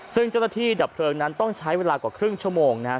ซึ่งเจ้าหน้าที่ดับเพลิงนั้นต้องใช้เวลากว่าครึ่งชั่วโมงนะครับ